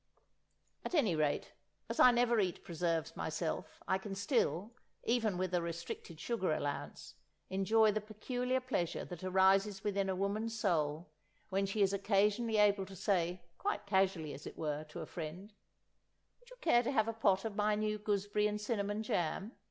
At any rate, as I never eat preserves myself, I can still, even with a restricted sugar allowance, enjoy the peculiar pleasure that arises within a woman's soul when she is occasionally able to say, quite casually as it were, to a friend: "Would you care to have a pot of my new gooseberry and cinnamon jam?